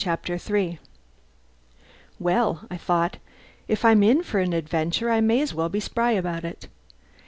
CHAPTER THREE "Well," I thought, "if I'm in for an adventure I may as well be spry about it.